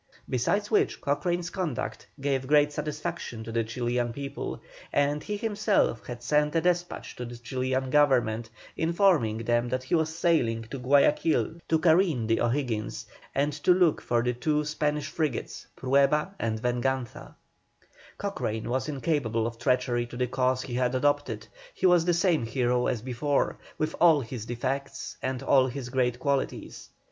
Besides which Cochrane's conduct gave great satisfaction to the Chilian people, and he himself had sent a despatch to the Chilian Government, informing them that he was sailing to Guayaquil to careen the O'Higgins, and to look for the two Spanish frigates Prueba and Venganza. Cochrane was incapable of treachery to the cause he had adopted, he was the same hero as before, with all his defects and all his great qualities.